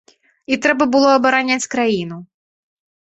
І трэба было абараняць краіну.